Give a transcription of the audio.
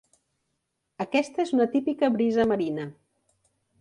Aquesta és una típica brisa marina.